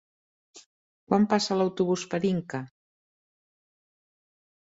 Quan passa l'autobús per Inca?